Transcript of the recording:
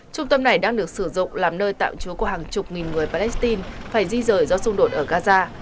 trung tâm này đang được sử dụng làm nơi tạm trú của hàng chục nghìn người palestine phải di rời do xung đột ở gaza